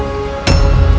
aku akan menang